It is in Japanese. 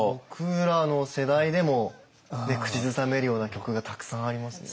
僕らの世代でも口ずさめるような曲がたくさんありますね。